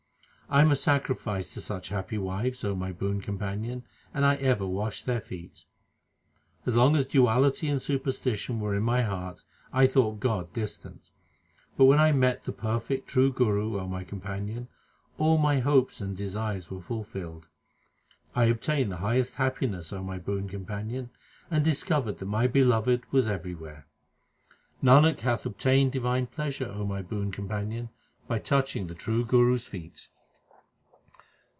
I am a sacrifice to such happy wives, my boon com panion, and I ever wash their feet. As long as duality and superstition were in my heart, I thought God distant ; But when I met the perfect true Guru, O my companion, all my hopes and desires were fulfilled. I obtained the highest happiness, O my boon companion, and discovered that my Beloved was everywhere. Nanak hath obtained divine pleasure, O my boon com panion, by touching the true Guru s feet.